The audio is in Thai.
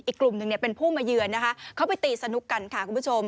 กลุ่มหนึ่งเป็นผู้มาเยือนนะคะเขาไปตีสนุกกันค่ะคุณผู้ชม